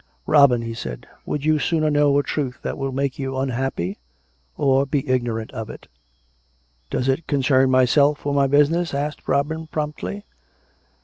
" Robin/' he said, " would you sooner know a truth that will make you unhappy, or be ignorant of it? "" Does it concern myself or my business? " asked Robin promptly.